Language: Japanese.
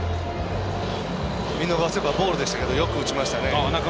見逃せばボールですけどよく打ちましたね。